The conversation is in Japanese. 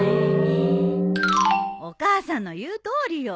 お母さんの言うとおりよ。